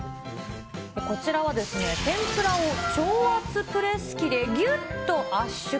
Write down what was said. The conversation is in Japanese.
こちらはですね、天ぷらを超圧プレス機でぎゅっと圧縮。